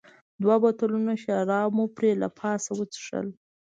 دوه بوتلونه شراب مو پرې له پاسه وڅښل.